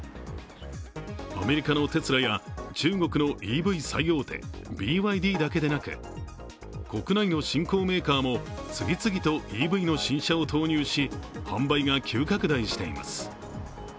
アメリカのテスラや中国のＥＶ最大手、ＢＹＤだけでなく国内の新興メーカーも次々とＥＶの新車を投入し販売が急拡大しています。